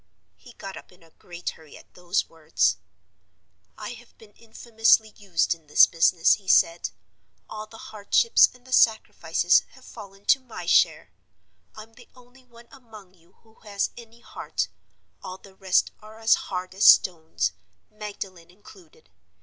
He got up in a great hurry at those words. 'I have been infamously used in this business,' he said. 'All the hardships and the sacrifices have fallen to my share. I'm the only one among you who has any heart: all the rest are as hard as stones—Magdalen included.